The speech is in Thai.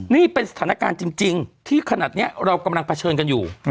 นี่เป็นสถานการณ์จริงที่ขนาดนี้เรากำลังเผชิญกันอยู่